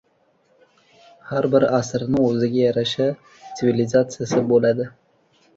Har bir asrni o‘ziga yarasha tsivilizatsiyasi bo‘ladi.